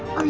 oh ya mah